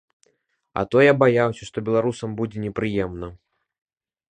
А то я баяўся, што беларусам будзе непрыемна.